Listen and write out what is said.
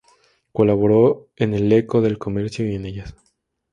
Colaboró en "El Eco del Comercio" y en "Ellas.